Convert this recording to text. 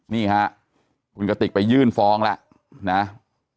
นี่ครับคุณกะติกไปยื่นฟ้องแล้ว